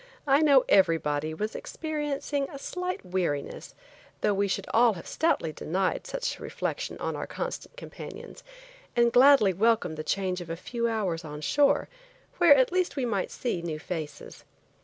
I know everybody was experiencing a slight weariness, though we should all have stoutly denied such a reflection on our constant companions, and gladly welcomed the change of a few hours on shore, where at least we might see new faces.